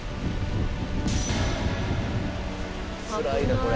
「つらいなこれ」